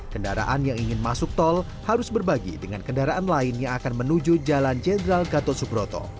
kendaraan yang ingin masuk tol harus berbagi dengan kendaraan lain yang akan menuju jalan jenderal gatot subroto